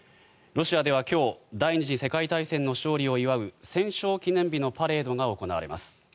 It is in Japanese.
ロシアでは今日第２次世界大戦の勝利を祝う戦勝記念日のパレードが行われます。